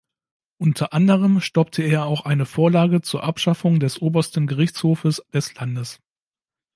Unter anderem stoppte er auch eine Vorlage zur Abschaffung des Obersten Gerichtshofes des Landes.